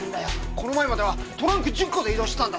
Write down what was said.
この前まではトランク１０個で移動してたんだ！